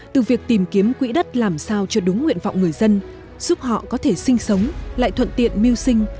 từ việc tìm kiếm quỹ đất làm sao cho đúng nguyện vọng người dân giúp họ có thể sinh sống lại thuận tiện miêu sinh